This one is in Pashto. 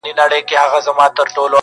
ژوند څه دی پيل يې پر تا دی او پر تا ختم~